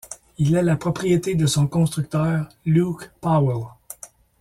Il est la propriété de son constructeur Luke Powell.